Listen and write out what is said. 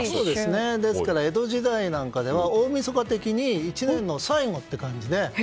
ですから江戸時代なんかでは大みそか的に１年の最後という感じで。